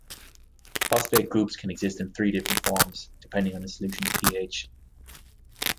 Phosphate groups can exist in three different forms depending on a solution's pH.